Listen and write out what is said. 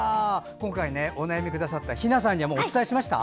今回、お悩みくださったひなさんにはお伝えしました？